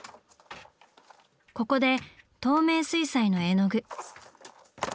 ここで透明水彩の絵の具。